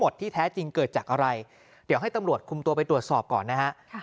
เดี๋ยวให้ตำรวจคุมตัวไปตรวจสอบก่อนนะฮะ